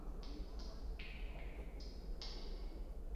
尿液中的草酸钙结晶是人类肾结石的主要成分。